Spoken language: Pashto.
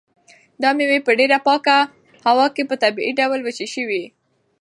دا مېوې په ډېره پاکه هوا کې په طبیعي ډول وچې شوي.